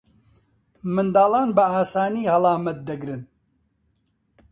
منداڵان بەئاسانی هەڵامەت دەگرن.